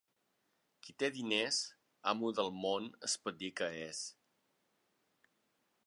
Qui té diners, amo del món es pot dir que és.